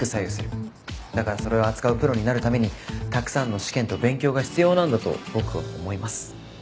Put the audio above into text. だからそれを扱うプロになるためにたくさんの試験と勉強が必要なんだと僕は思います。